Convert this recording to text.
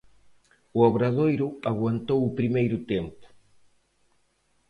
O Obradoiro aguantou o primeiro tempo.